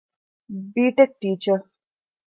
ބީޓެކް ޓީޗަރ